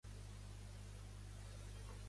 I decideix instal·lar-se a Madrid.